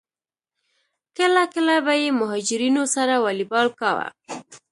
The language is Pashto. کله کله به یې مهاجرینو سره والیبال کاوه.